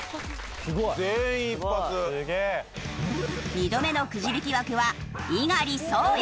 ２度目のくじ引き枠は猪狩蒼弥。